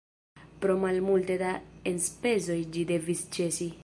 Pro malmulte da enspezoj ĝi devis ĉesi.